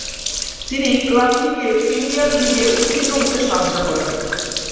তিনি ক্লাবটিকে প্রিমিয়ার লীগে উত্তীর্ণ হতে সাহায্য করেন।